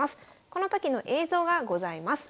この時の映像がございます。